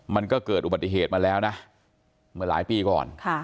มันก็เกิดอุบัติเหตุมาแล้วนะเมื่อหลายปีก่อน